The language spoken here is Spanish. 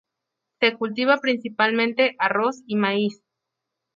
Se cultiva principalmente arroz y maíz.